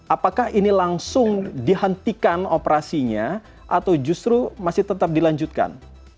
apakah ini langsung dihentikan operasinya atau justru masih tetap dilanjutkan